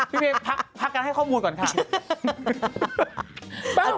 เพลงพักกันให้ข้อมูลก่อนค่ะ